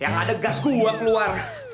yang ada gas gue keluar